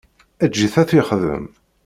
Eǧǧ-it ad t-yexdem.